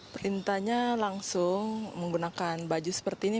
perintahnya langsung menggunakan baju seperti ini